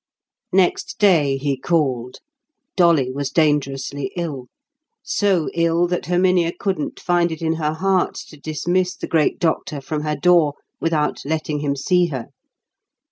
Next day he called. Dolly was dangerously ill—so ill that Herminia couldn't find it in her heart to dismiss the great doctor from her door without letting him see her.